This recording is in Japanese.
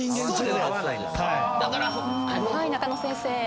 はい中野先生。